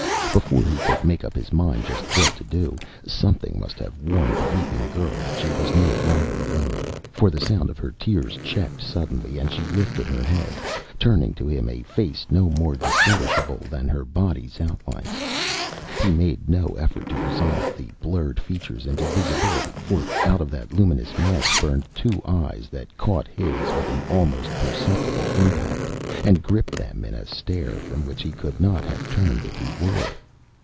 Before he could make up his mind just what to do, something must have warned the weeping girl that she was no longer alone, for the sound of her tears checked suddenly and she lifted her head, turning to him a face no more distinguishable than her body's outlines. He made no effort to resolve the blurred features into visibility, for out of that luminous mask burned two eyes that caught his with an almost perceptible impact and gripped them in a stare from which he could not have turned if he would.